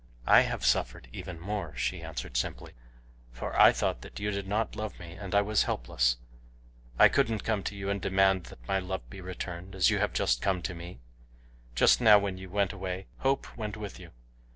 "I have suffered even more," she answered simply, "for I thought that you did not love me, and I was helpless. I couldn't come to you and demand that my love be returned, as you have just come to me. Just now when you went away hope went with you.